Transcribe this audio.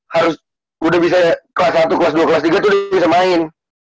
harus udah bisa kelas satu kelas dua kelas tiga tuh dia bisa main